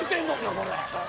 これ！